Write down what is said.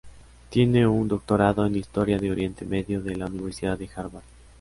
Tiene un doctorado en Historia de Oriente Medio de la Universidad de Harvard.